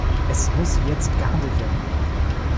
Es muss jetzt gehandelt werden.